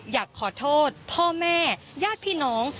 อยากขอโทษพ่อแม่ญาติพี่น้อง